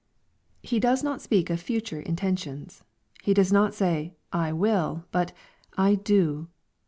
He does not speak of future intentions. He does not say, " I will," bu^" I do."